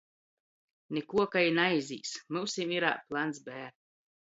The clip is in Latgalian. Nikuo, ka i naizīs, myusim irā plans B.